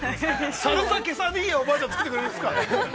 ◆サルサケサディーヤを、おばあちゃんが、作ってくれるんですか？